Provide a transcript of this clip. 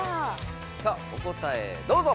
さあお答えどうぞ！